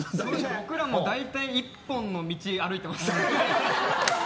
僕らも大体一本の道歩いてますね。